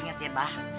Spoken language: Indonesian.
ingat ya bah